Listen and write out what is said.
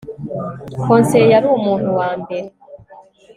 Konseye yari umuntu wambere